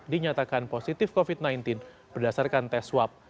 dinyatakan positif covid sembilan belas berdasarkan tes swab